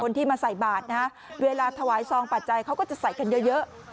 ที่มาใส่บาทนะเวลาถวายซองปัจจัยเขาก็จะใส่กันเยอะ